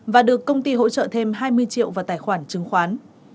và được công ty hỗ trợ thêm hai mươi triệu vào tài khoản chứng khoán